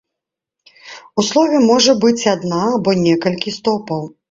У слове можа быць адна або некалькі стопаў.